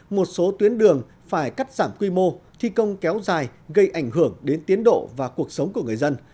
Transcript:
một số tuyến đường phải cắt giảm quy mô thi công kéo dài gây ảnh hưởng đến tiến độ và cuộc sống của người dân